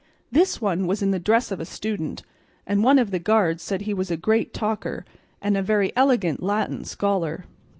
This one was in the dress of a student, and one of the guards said he was a great talker and a very elegant Latin scholar.